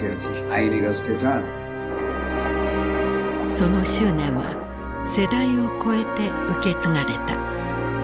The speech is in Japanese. その執念は世代を超えて受け継がれた。